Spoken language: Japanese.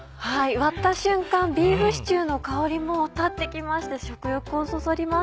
割った瞬間ビーフシチューの香りも立って来まして食欲をそそります。